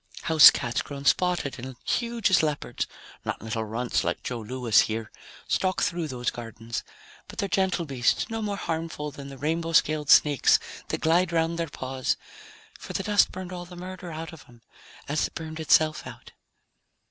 Housecats grown spotted and huge as leopards (not little runts like Joe Louis here) stalk through those gardens. But they're gentle beasts, no more harmful than the rainbow scaled snakes that glide around their paws, for the dust burned all the murder out of them, as it burned itself out.